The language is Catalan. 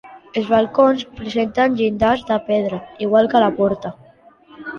Els balcons presenten llindars de pedra, igual que la porta.